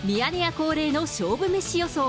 恒例の勝負メシ予想。